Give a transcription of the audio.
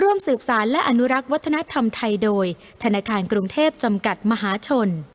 ร่วมสืบสารและอนุรักษ์วัฒนธรรมไทยโดยธนาคารกรุงเทพจำกัดมหาชน